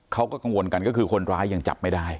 เขาก็กังวลกันก็คือคนร้ายยังจับไม่ได้